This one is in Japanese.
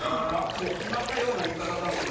もうきまったようないいかたざんすね。